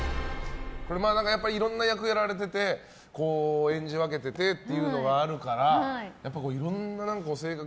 いろんな役をやられてて演じ分けててっていうのがあるからいろんな性格